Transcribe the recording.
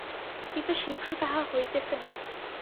কিন্তু শীঘ্র তাহা হইতেছে না।